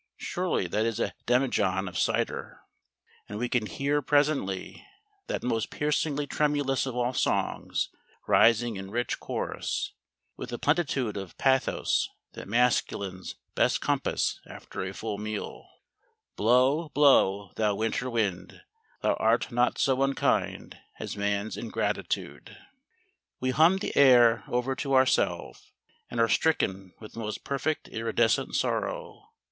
surely that is a demijohn of cider? And we can hear, presently, that most piercingly tremulous of all songs rising in rich chorus, with the plenitude of pathos that masculines best compass after a full meal Blow, blow, thou winter wind, Thou art not so unkind As man's ingratitude We hum the air over to ourself, and are stricken with the most perfect iridescent sorrow.